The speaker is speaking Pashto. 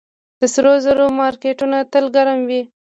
د سرو زرو مارکیټونه تل ګرم وي